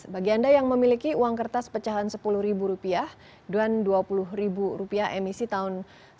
bagi anda yang memiliki uang kertas pecahan rp sepuluh dan rp dua puluh emisi tahun seribu sembilan ratus sembilan puluh